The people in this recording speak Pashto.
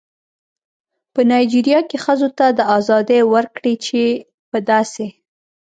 په نایجیریا کې ښځو ته دا ازادي ورکړې چې په داسې